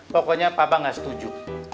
pokoknya papa gak setuju